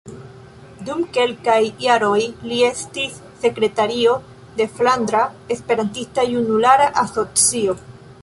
Dum kelkaj jaroj li estis sekretario de Flandra Esperantista Junulara Asocio.